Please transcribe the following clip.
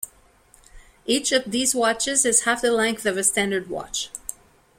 Each of these watches is half the length of a standard watch.